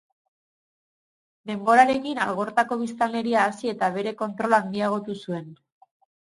Denborarekin Algortako biztanleria hasi eta bere kontrola handiagotu zuen.